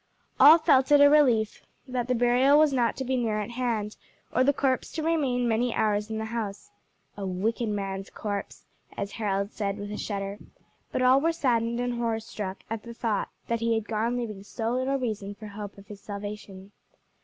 All felt it a relief that the burial was not to be near at hand, or the corpse to remain many hours in the house "a wicked man's corpse," as Harold said with a shudder, but all were saddened and horror struck at the thought that he had gone leaving so little reason for hope of his salvation.